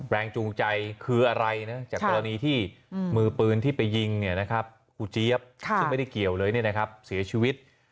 แรงจูงใจคืออะไรนะจากกรณีที่มือปืนที่ไปยิงครูเจี๊ยบซึ่งไม่ได้เกี่ยวเลยเสียชีวิต